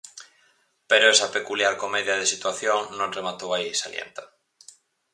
Pero esa peculiar "comedia de situación" non rematou aí, salienta.